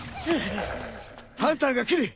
ハンターが来る！